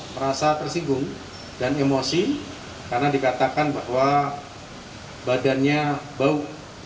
merasa tersinggung dan emosi karena dikatakan bahwa badannya bau